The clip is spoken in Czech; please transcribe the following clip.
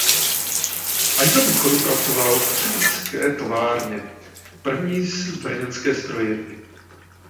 Až do důchodu pracoval v třebíčské továrně První brněnské strojírny.